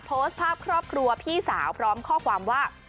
โพสต์ภาพครอบครัวพี่สาวพร้อมข้อความว่า